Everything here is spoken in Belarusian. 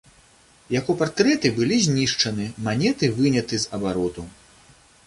Яго партрэты былі знішчаны, манеты выняты з абароту.